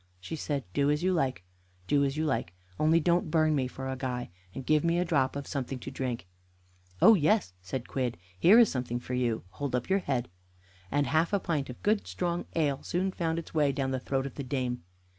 She said: "Do as you like do as you like, only don't burn me for a guy; and give me a drop of something to drink." "Oh yes," said Quidd, "here is something for you. Hold up your head." And half a pint of good strong ale soon found its way down the throat of the dame.